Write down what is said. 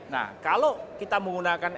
nah kalau kita menggunakan